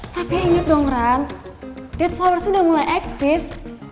tapi inget dong rang dead flowers udah mulai eksis